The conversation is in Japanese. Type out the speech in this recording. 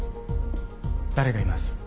誰がいます？